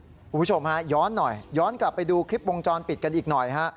คุณผู้ชมฮะย้อนหน่อยย้อนกลับไปดูคลิปวงจรปิดกันอีกหน่อยฮะ